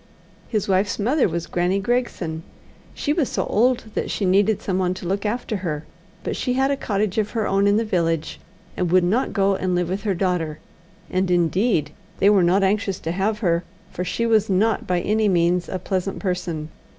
His wife's mother was Grannie Gregson. She was so old that she needed someone to look after her, but she had a cottage of her own in the village, and would not go and live with her daughter, and, indeed, they were not anxious to have her, for she was not by any means a pleasant person.